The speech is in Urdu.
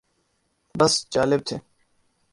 بس جالب تھے۔